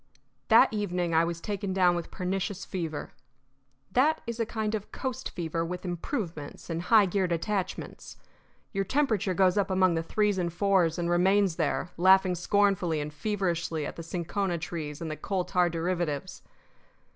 That evening I was taken down with pernicious fever. That is a kind of coast fever with improvements and high geared attachments. Your temperature goes up among the threes and fours and remains there, laughing scornfully and feverishly at the cinchona trees and the coal tar derivatives.